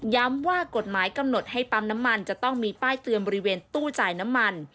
ว่ากฎหมายกำหนดให้ปั๊มน้ำมันจะต้องมีป้ายเตือนบริเวณตู้จ่ายน้ำมัน